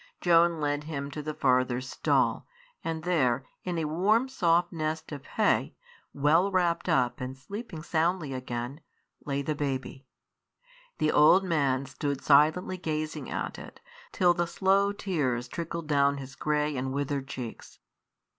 Joan led him to the farther stall, and there, in a warm, soft nest of hay, well wrapped up and sleeping soundly again, lay the baby. The old man stood silently gazing at it till the slow tears trickled down his grey and withered cheeks.